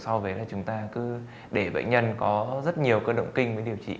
so với là chúng ta cứ để bệnh nhân có rất nhiều cơn động kinh với điều trị